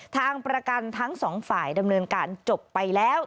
ทางประกันทั้งสองฝ่ายดำเนินการจบไปแล้ว